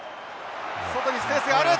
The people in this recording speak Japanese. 外にスペースがある。